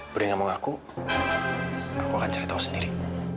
budi gak mau ngaku aku akan cari tahu sendiri